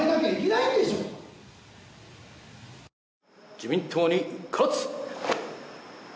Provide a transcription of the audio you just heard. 自民党に勝つ！